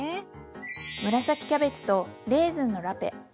紫キャベツとレーズンのラペ。